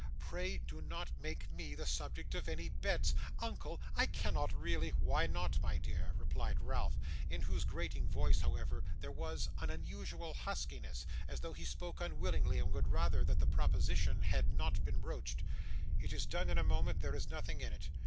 'Pray do not make me the subject of any bets. Uncle, I cannot really ' 'Why not, my dear?' replied Ralph, in whose grating voice, however, there was an unusual huskiness, as though he spoke unwillingly, and would rather that the proposition had not been broached. 'It is done in a moment; there is nothing in it.